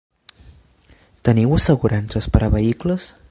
Teniu assegurances per a vehicles?